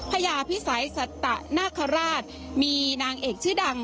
พญาพิสัยสัตนาคาราชมีนางเอกชื่อดัง